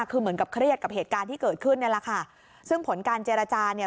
คือเหมือนกับเครียดกับเหตุการณ์ที่เกิดขึ้นเนี่ยแหละค่ะซึ่งผลการเจรจาเนี่ย